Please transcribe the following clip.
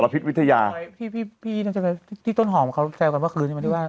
พี่ที่ต้นหอมเขาแจวกันว่าคืนนี่มันที่ว่า